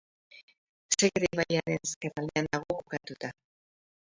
Segre ibaiaren ezkerraldean dago kokatuta.